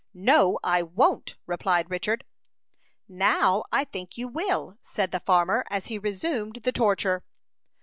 "No, I won't!" replied Richard. "Now, I think you will," said the farmer, as he resumed the torture.